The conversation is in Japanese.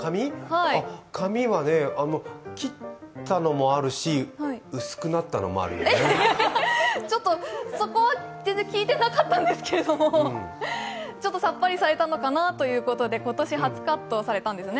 髪はね、切ったのもあるし薄くなったのもあるそこは全然聞いてなかったんですけども、ちょっとさっぱりされたのかなということで今年初カットされたんですね。